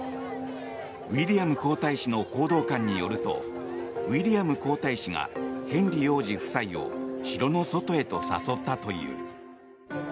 ウィリアム皇太子の報道官によるとウィリアム皇太子がヘンリー王子夫妻を城の外へと誘ったという。